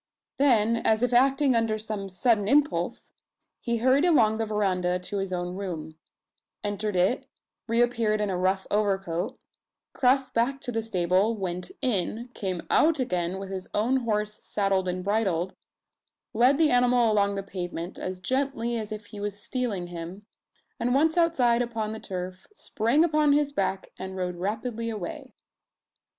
Then, as if acting under some sudden impulse, he hurried along the verandah to his own room; entered it; reappeared in a rough overcoat; crossed back to the stable; went in; came out again with his own horse saddled and bridled; led the animal along the pavement, as gently as if he was stealing him; and once outside upon the turf, sprang upon his back, and rode rapidly away.